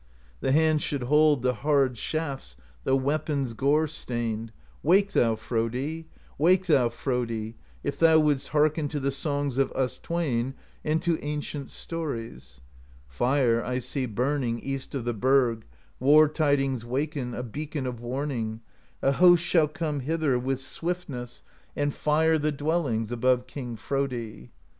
'The hands should hold The hard shafts, The weapons gore stained, — Wake thou, Frodi! Wake thou, Frodi, If thou wouldst hearken To the songs of us twain And to ancient stories. 'Fire I see burning East of the burg. War tidings waken, A beacon of warning: A host shall come Hither, with swiftness. i68 PROSE EDDA And fire the dwellings Above King Frodi.